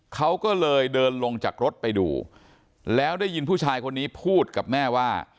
เขาก็เลยเดินลงจากรถไปดูแล้วได้ยินผู้ชายคนนี้พูดกับแม่ว่า